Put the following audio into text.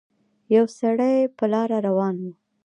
يو سړی په لاره روان وو